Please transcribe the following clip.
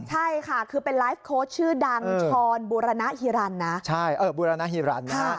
ใช่ค่ะคือเป็นไลฟ์โค้ชชื่อดังชรบูรณฮิรันนะใช่เออบูรณฮิรันนะฮะ